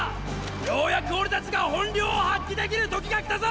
ようやく俺たちが本領を発揮できる時が来たぞ！！